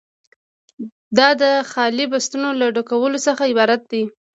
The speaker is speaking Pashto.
دا د خالي بستونو له ډکولو څخه عبارت دی.